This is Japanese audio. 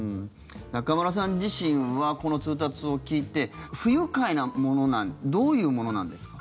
中村さん自身はこの通達を聞いて不愉快なものどういうものなんですか？